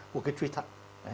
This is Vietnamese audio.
của cái truy thật